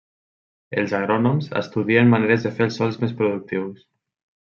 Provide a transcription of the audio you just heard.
Els agrònoms estudien maneres de fer els sòls més productius.